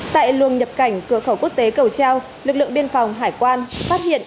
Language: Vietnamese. tại luồng nhập cảnh cửa khẩu quốc tế cầu treo lực lượng biên phòng hải quan phát hiện